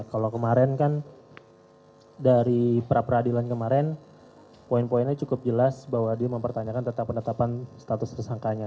kalau kemarin kan dari pra peradilan kemarin poin poinnya cukup jelas bahwa dia mempertanyakan tentang penetapan status tersangkanya